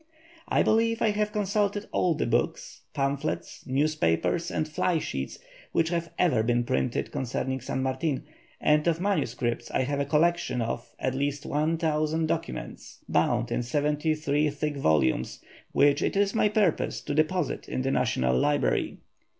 I believe I have consulted all the books, pamphlets, newspapers and fly sheets which have ever been printed concerning San Martin, and of manuscripts I have a collection of at least 10,000 documents, bound in 73 thick volumes, which it is my purpose to deposit in the National Library.